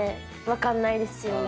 分かんないですよね。